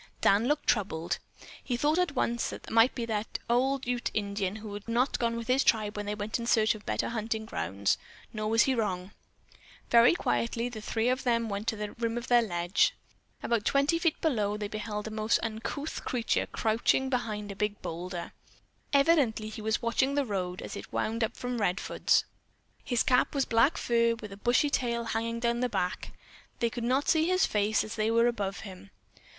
Dan looked troubled. He thought at once that it might be the old Ute Indian who had not gone with his tribe when they went in search of better hunting grounds, nor was he wrong. Very quietly, the three went to the rim of their ledge. About twenty feet below they beheld a most uncouth creature crouching behind a big boulder. Evidently he was intently watching the road as it wound up from Redfords. His cap was of black fur with a bushy tail hanging down at the back. They could not see his face as they were above him.